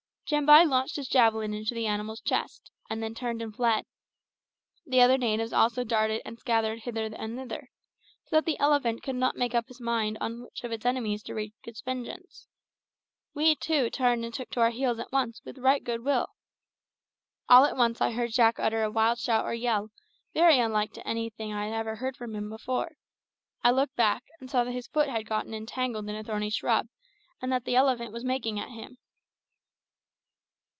Jambai launched his javelin into the animal's chest, and then turned and fled. The other natives also darted and scattered hither and thither, so that the elephant could not make up its mind on which of its enemies to wreak its vengeance. We, too, turned and took to our heels at once with right good will. All at once I heard Jack utter a wild shout or yell, very unlike to anything I ever heard from him before. I looked back, and saw that his foot had got entangled in a thorny shrub, and that the elephant was making at him.